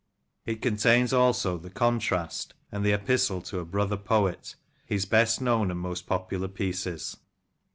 It contains also "The Contrast," and the "Epistle to a Brother Poet," his best known and most popular pieces.